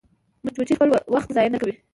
مچمچۍ خپل وخت ضایع نه کوي